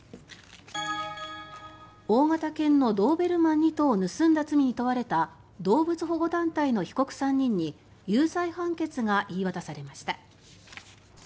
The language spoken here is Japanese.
大型犬のドーベルマン２頭を盗んだ罪に問われた動物保護団体の被告３人に有罪判決が言い渡されました。